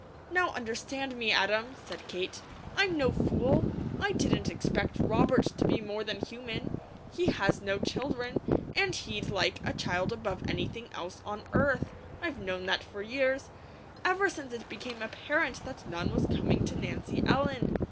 "Now understand me, Adam," said Kate. "I'm no fool. I didn't expect Robert to be more than human. He has no children, and he'd like a child above anything else on earth. I've known that for years, ever since it became apparent that none was coming to Nancy Ellen.